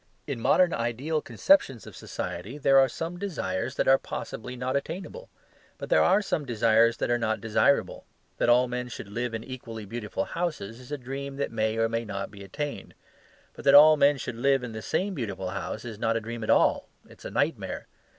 In modern ideal conceptions of society there are some desires that are possibly not attainable: but there are some desires that are not desirable. That all men should live in equally beautiful houses is a dream that may or may not be attained. But that all men should live in the same beautiful house is not a dream at all; it is a nightmare.